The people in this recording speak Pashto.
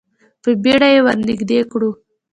په بیړه یې ور نږدې کړو.